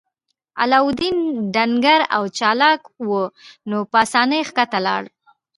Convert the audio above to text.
علاوالدین ډنګر او چلاک و نو په اسانۍ ښکته لاړ.